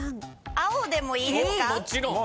青でもいいですか？